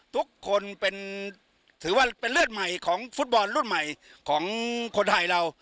ทุกคนถือว่าเป็นเลือดใหม่ของฟุตบอลรุ่นใหม่ของคนไทยเรา